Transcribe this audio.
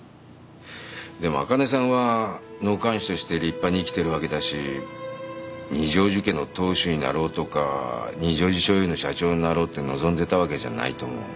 でもあかねさんは納棺師として立派に生きてるわけだし二条路家の当主になろうとか二条路醤油の社長になろうって望んでたわけじゃないと思う。